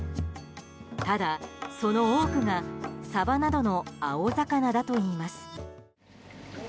ただ、その多くがサバなどの青魚だといいます。